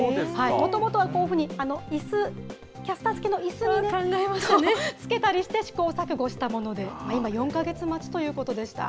もともとはこういうふうに、いす、キャスター付きのいすにつけたりして、試行錯誤したもので、今、４か月待ちということでした。